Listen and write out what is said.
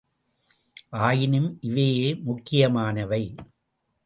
ஆயினும், இவையே முக்கியமானவை!